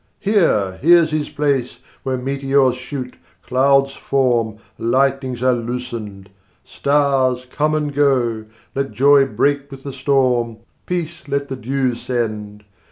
140 Here here's his place, where meteors shoot, clouds form, Lightnings are loosened, Stars come and go! Let joy break with the storm, Peace let the dew send!